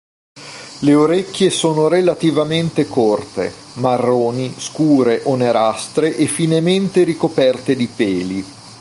Le orecchie sono relativamente corte, marroni scure o nerastre e finemente ricoperte di peli.